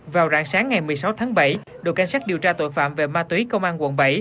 vào rạng sáng ngày một mươi sáu tháng bảy đội cảnh sát điều tra tội phạm về ma túy công an quận bảy